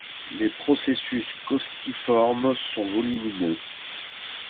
Les processus costiformes sont volumineux.